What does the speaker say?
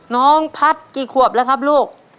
น้องพัฒน์กี่ขวบแล้วครับลูก